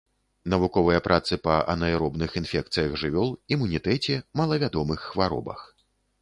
Навуковыя працы па анаэробных інфекцыях жывёл, імунітэце, малавядомых хваробах.